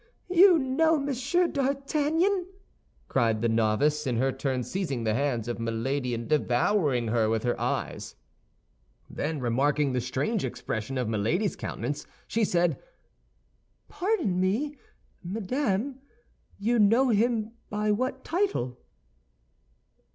"You know Monsieur d'Artagnan!" cried the novice, in her turn seizing the hands of Milady and devouring her with her eyes. Then remarking the strange expression of Milady's countenance, she said, "Pardon me, madame; you know him by what title?"